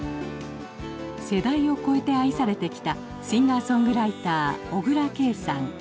世代を超えて愛されてきたシンガーソングライター小椋佳さん。